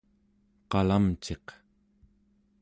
qalamciq